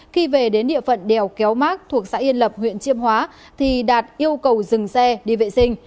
khi về đến địa phận đèo kéo mát thuộc xã yên lập huyện chiêm hóa thì đạt yêu cầu dừng xe đi vệ sinh